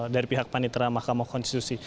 dari pihak panitera mahkamah konstitusi